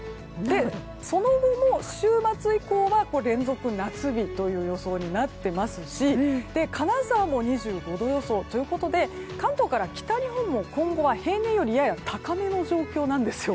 その後も週末以降は連続夏日という予想になっていますし金沢も２５度予想ということで関東から北日本も今後は平年よりやや高めの状況なんですよ。